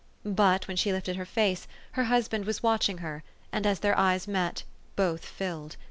But, when she lifted her face, her husband was watching her, and, as their eyes met, both filled.